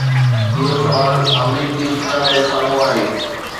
اهو سوال آمريڪي انتظاميه جي سامهون آهي.